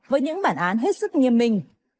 với những bản án hết sức nghiêm minh